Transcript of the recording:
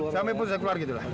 sampai putusan keluar gitu lah